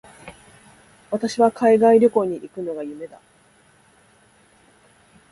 私は海外旅行に行くのが夢だ。